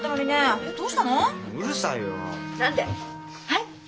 はい？